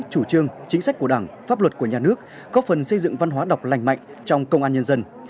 chủ trương chính sách của đảng pháp luật của nhà nước góp phần xây dựng văn hóa đọc lành mạnh trong công an nhân dân